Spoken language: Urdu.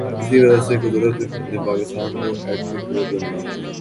اسی وجہ سے قدرت نے پاکستان کو ایٹمی قوت بنایا ہے۔